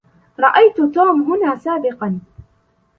رأيت توم هنا سابقا.